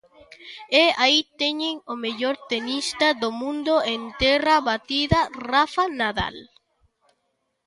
E aí teñen o mellor tenista do mundo en terra batida, Rafa Nadal.